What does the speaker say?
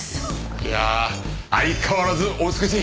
いやあ相変わらずお美しい！